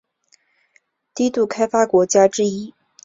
低度开发国家之一。